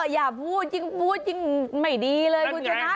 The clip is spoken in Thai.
อย่าพูดจริงไม่ดีเลยด้วยนาน